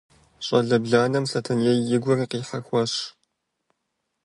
Щӏалэ бланэм Сэтэней и гур къихьэхуащ.